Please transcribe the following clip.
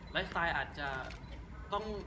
แล้วสไตล์อาจจะต้อง